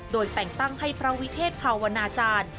โดยแต่งตั้งให้พระวิเทศภาวนาจารย์